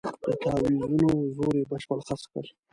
د تاویزونو زور یې بشپړ خرڅ کړ.